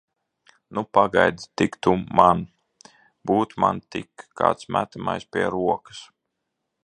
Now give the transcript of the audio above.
Nu, pagaidi tik tu man! Būtu man tik kāds metamais pie rokas!